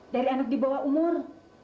dari anak di bawah umur